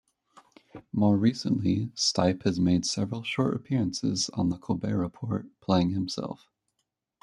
More recently, Stipe has made several short appearances on "The Colbert Report", playing himself.